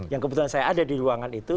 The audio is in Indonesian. yang kebetulan saya ada di ruangan itu